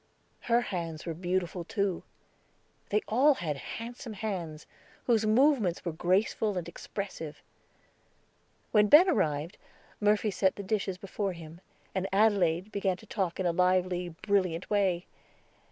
Her hands were beautiful, too; they all had handsome hands, whose movements were graceful and expressive. When Ben arrived, Murphy set the dishes before him, and Adelaide began to talk in a lively, brilliant way.